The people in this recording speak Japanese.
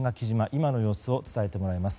今の様子を伝えてもらいます。